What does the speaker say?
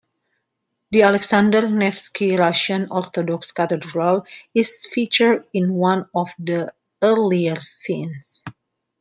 The Alexander Nevsky Russian Orthodox Cathedral is featured in one of the earlier scenes.